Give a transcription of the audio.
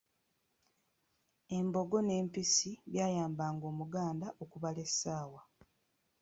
Embogo n'empisi byayambanga Omuganda okubala essaawa.